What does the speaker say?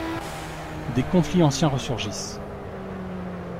Des conflits anciens resurgissent.